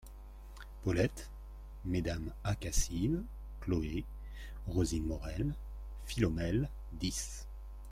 Paulette : Mmes A. Cassive Chloé : Rosine Maurel Philomèle : dix…